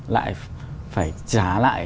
lại phải trả lại